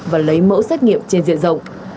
và lấy mẫu xét nghiệm trên diện rộng